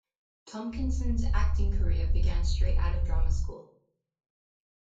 Tompkinson's acting career began straight out of drama school.